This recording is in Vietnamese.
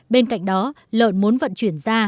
bên cạnh đó lợn muốn vận chuyển ra